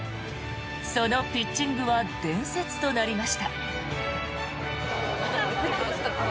そのピッチングは伝説となりました。